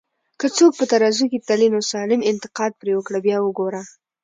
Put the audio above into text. که څوک په ترازو کي تلې، نو سالم انتقاد پرې وکړه بیا وګوره